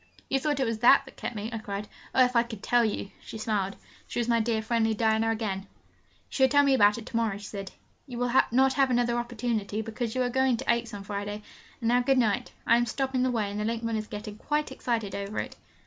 'You thought it was that that kept me!' I cried. 'Oh, if I could tell you!' She smiled: she was my dear, friendly Diana again. 'You shall tell me all about it to morrow,' she said. 'You will not have another opportunity, because we are going to Aix on Friday. And now, good night. I am stopping the way, and the linkman is getting quite excited over it.'